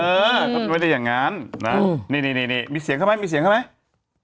เออเขาไม่ได้อย่างนั้นนะนี่มีเสียงเขาไหมมีเสียงเขาไหม